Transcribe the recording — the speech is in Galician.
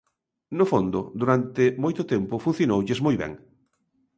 No fondo, durante moito tempo funcionoulles moi ben.